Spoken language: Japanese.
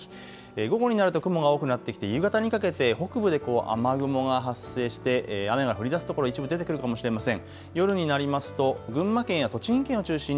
午後になると雲が多くなってきて夕方にかけて北部で雨雲が発生して雨が降りだすところ一部出てくるかもしれません。